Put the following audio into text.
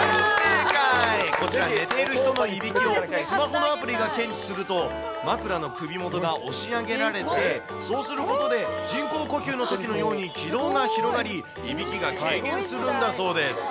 こちら、寝ている人のいびきをスマホのアプリが検知すると枕の首元が押し上げられて、そうすることで人工呼吸のときのように気道が広がり、いびきが軽減するんだそうです。